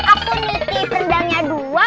aku mesti pendangnya dua